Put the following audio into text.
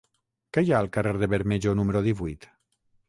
Què hi ha al carrer de Bermejo número divuit?